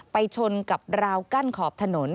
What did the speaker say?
ชนกับราวกั้นขอบถนน